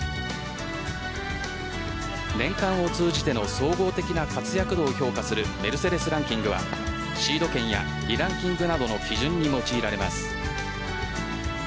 年間を通じての総合的な活躍度を評価するメルセデス・ランキングはシード権やリランキングなどの基準に用いられます。